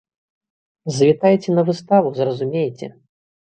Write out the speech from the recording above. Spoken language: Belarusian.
Завітайце на выставу, зразумееце.